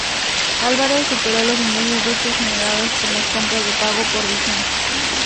Álvarez superó los ingresos brutos generados por las compras de pago por visión.